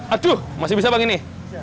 aduh masih bisa bang ini